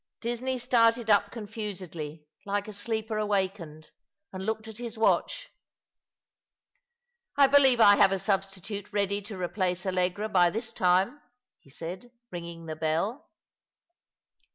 Disney started up confusedly, like a sleeper awakened, and looked at his watch. ■" I believe I have a substitute ready to replace AUegra by this time," he said, ringing the bell.